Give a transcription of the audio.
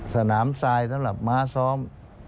สนามทรายสำหรับม้าซ้อม